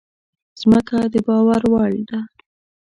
مځکه د باور وړ ده.